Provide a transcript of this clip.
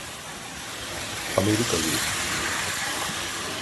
Amerikalıyım.